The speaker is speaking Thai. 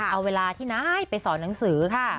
เอาเวลาที่นายไปสอนหนังสือค่ะ